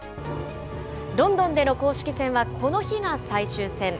ロンドンでの公式戦はこの日が最終戦。